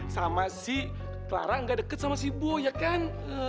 sama si clara gak deket sama si bu ya kan